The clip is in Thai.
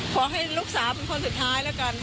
ขอให้ลูกสาวเป็นคนสุดท้ายแล้วกัน